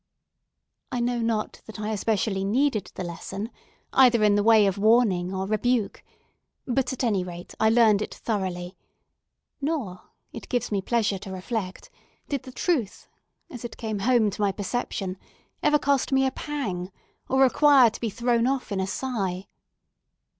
I know not that I especially needed the lesson, either in the way of warning or rebuke; but at any rate, I learned it thoroughly: nor, it gives me pleasure to reflect, did the truth, as it came home to my perception, ever cost me a pang, or require to be thrown off in a sigh.